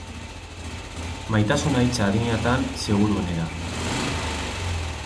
Maitasuna hitza adinatan, seguruenera.